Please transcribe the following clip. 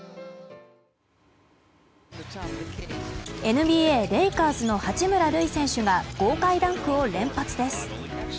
ＮＢＡレイカーズの八村塁選手が豪快ダンクを連発です。